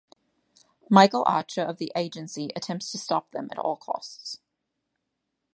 Michael Archer of the Agency attempts to stop them at all costs.